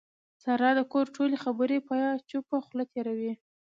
ساره د کور ټولې خبرې په چوپه خوله تېروي.